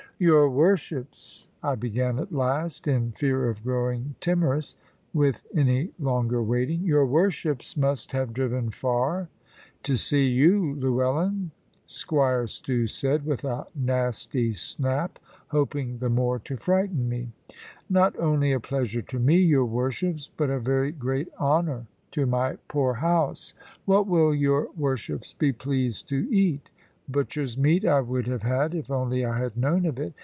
"Your worships," I began at last, in fear of growing timorous, with any longer waiting "your worships must have driven far." "To see you, Llewellyn," Squire Stew said, with a nasty snap, hoping the more to frighten me. "Not only a pleasure to me, your worships, but a very great honour to my poor house. What will your worships be pleased to eat? Butcher's meat I would have had, if only I had known of it.